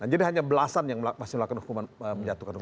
jadi hanya belasan yang masih melakukan hukuman menjatuhkan hukuman mati